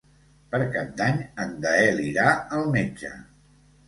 Per Cap d'Any en Gaël irà al metge.